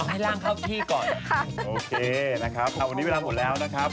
ให้ร่างเข้าที่ก่อนนะคะโอเคนะครับวันนี้เวลาหมดแล้วนะครับ